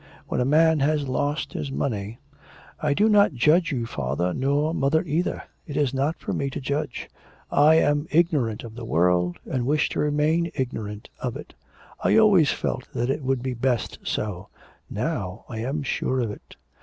When a man has lost his money ' 'I do not judge you, father, nor mother either. It is not for me to judge. I am ignorant of the world and wish to remain ignorant of it. I always felt that it would be best so, now I am sure of it.'